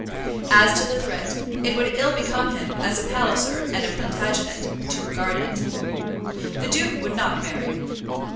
As to the threat, it would ill become him, as a Palliser and a Plantagenet, to regard it. The duke would not marry.